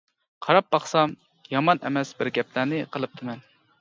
قاراپ باقسام يامان ئەمەس بىر گەپلەرنى قىلىپتىمەن.